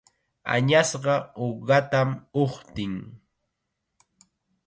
Añasqa uqatam uqtin.